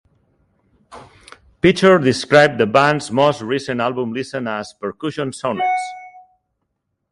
Pritchard described the band's most recent album Listen as "percussion sonnets".